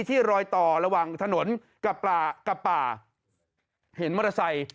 ที่รอยต่อระหว่างถนนกับป่ากับป่าเห็นมอเตอร์ไซค์